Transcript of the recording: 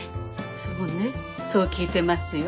そうねそう聞いてますよ。